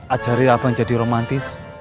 ajari abang jadi romantis